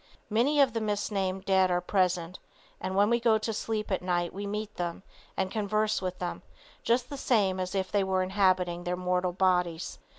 Many of the misnamed dead are present, and when we go to sleep at night we meet them and converse with them just the same as if they were inhabiting their mortal bodies.